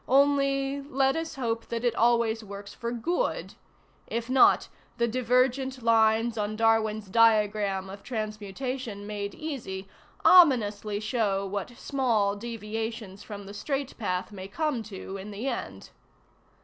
Only let us hope that it always works for good: if not, the divergent lines on Darwin's diagram of transmutation made easy ominously show what small deviations from the straight path may come to in the end.